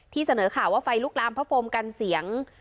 เสนอข่าวว่าไฟลุกลามพระโฟมกันเสียง